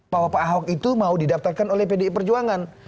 bahwa pak ahok itu mau didaftarkan oleh pdi perjuangan